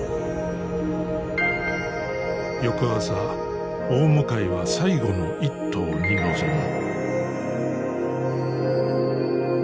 翌朝大向は最後の一頭に臨む。